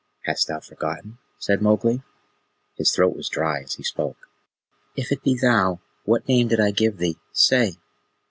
"Hast thou forgotten?" said Mowgli. His throat was dry as he spoke. "If it be THOU, what name did I give thee? Say!"